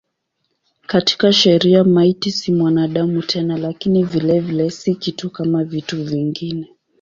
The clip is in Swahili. Katika sheria maiti si mwanadamu tena lakini vilevile si kitu kama vitu vingine.